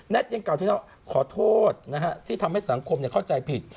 ยังกล่าวที่ว่าขอโทษที่ทำให้สังคมเข้าใจผิด